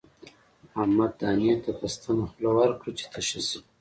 احمد دانې ته په ستنه خوله ورکړه چې تشه شي.